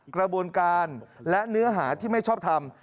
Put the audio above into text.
กระบวนการและเนื้อหาที่ไม่ชอบทำ